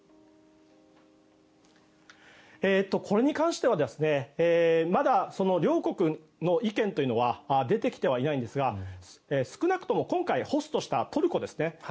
これに関してはまだ両国の意見というのは出てきてはいないんですが少なくとも今回ホストしたトルコですね